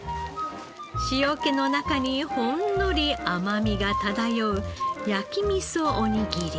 塩気の中にほんのり甘みが漂う焼き味噌おにぎり。